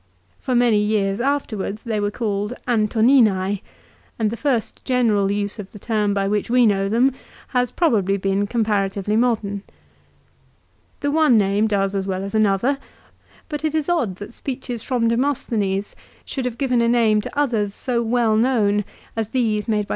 For many years afterwards they were called Antoni anse, and the first general use of the term by which we know them has probably been comparatively modern. The one name does as well as another ; but it is odd that speeches from Demosthenes should have given a name to others so well known as these made by Cicero against Antony.